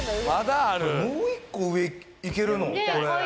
もう１個上行けるの？